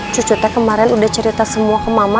cucunya kemarin udah cerita semua ke mama